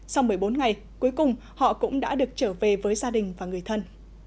sau một mươi bốn ngày cuối cùng họ cũng đã được trở về với gia đình và người thân